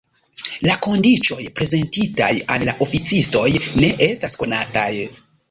La kondiĉoj prezentitaj al la oficistoj ne estas konataj.